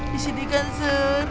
di sini kan serem